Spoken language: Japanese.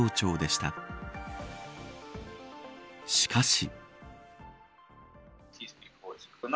しかし。